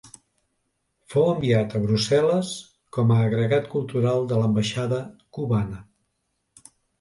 Fou enviat a Brussel·les com a agregat cultural de l'ambaixada cubana.